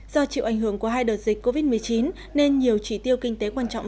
do chịu ảnh hưởng của hai đợt dịch covid một mươi chín nên nhiều trị tiêu kinh tế quan trọng